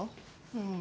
うん。